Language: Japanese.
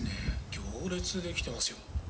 行列出来てますよ。